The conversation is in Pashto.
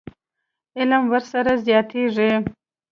علم ورسره زیاتېږي.